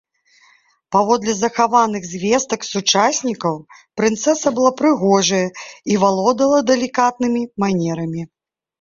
Паводле захаваных звестак сучаснікаў прынцэса была прыгожая і валодала далікатнымі манерамі.